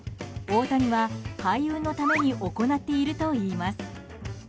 大谷は開運のために行っているといいます。